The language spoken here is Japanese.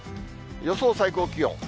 予想最高気温。